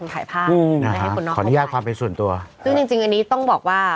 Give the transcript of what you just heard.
ถ่ายภาพอืมขออนุญาตความเป็นส่วนตัวซึ่งจริงจริงอันนี้ต้องบอกว่า